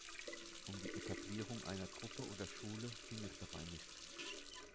Um die Etablierung einer „Gruppe“ oder „Schule“ ging es dabei nicht.